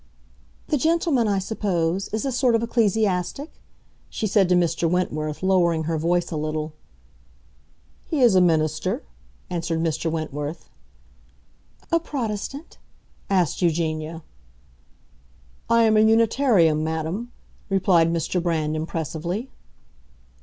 "The gentleman, I suppose, is a sort of ecclesiastic," she said to Mr. Wentworth, lowering her voice a little. "He is a minister," answered Mr. Wentworth. "A Protestant?" asked Eugenia. "I am a Unitarian, madam," replied Mr. Brand, impressively.